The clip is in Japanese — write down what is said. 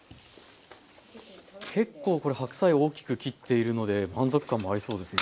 結構これ白菜大きく切っているので満足感もありそうですね。